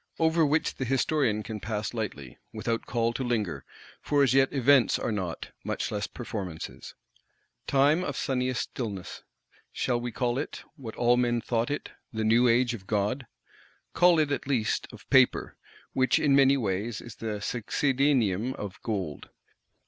Over which the Historian can pass lightly, without call to linger: for as yet events are not, much less performances. Time of sunniest stillness;—shall we call it, what all men thought it, the new Age of Gold? Call it at least, of Paper; which in many ways is the succedaneum of Gold.